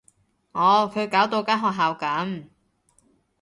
哦，佢搞到間學校噉